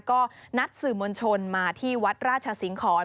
ก็นัดสื่อมวลชนมาที่วัดราชสิงหอน